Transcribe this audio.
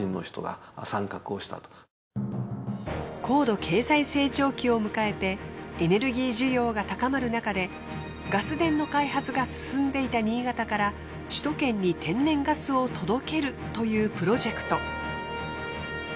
高度経済成長期を迎えてエネルギー需要が高まる中でガス田の開発が進んでいた新潟から首都圏に天然ガスを届けるというプロジェクト。